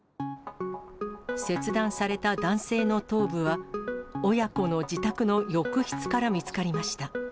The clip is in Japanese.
切断された男性の頭部は、親子の自宅の浴室から見つかりました。